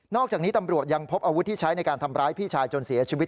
อกจากนี้ตำรวจยังพบอาวุธที่ใช้ในการทำร้ายพี่ชายจนเสียชีวิต